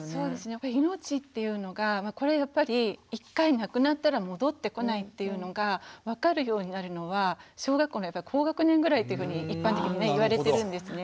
やっぱり命っていうのがこれはやっぱり一回なくなったら戻ってこないっていうのが分かるようになるのは小学校のやっぱり高学年ぐらいというふうに一般的に言われてるんですね。